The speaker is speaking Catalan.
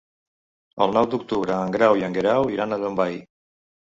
El nou d'octubre en Grau i en Guerau iran a Llombai.